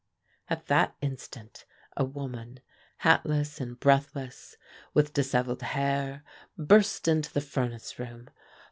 At that instant a woman, hatless and breathless, with disheveled hair, burst into the furnace room.